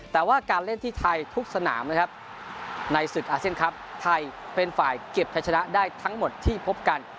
แต่ว่าการเล่นที่ไทยทุกสนามนะครับในศึกอาเซียนครับไทยเป็นฝ่ายเก็บใช้ชนะได้ทั้งหมดที่พบกัน